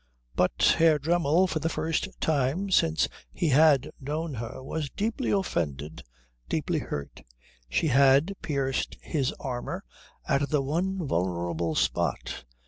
But Herr Dremmel, for the first time since he had known her, was deeply offended, deeply hurt. She had pierced his armour at the one vulnerable spot.